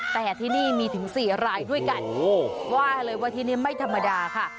แต่ที่นี่มีถึง๔รายด้วยกันว่าเลยว่าที่นี่ไม่ธรรมดาค่ะ